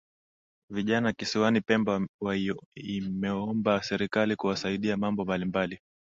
Vijana kisiwani Pemba waimeomba Serikali kuwasaidia mambo mbalimbali